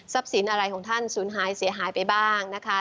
สินอะไรของท่านสูญหายเสียหายไปบ้างนะคะ